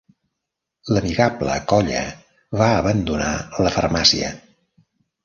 L'amigable colla va abandonar la farmàcia.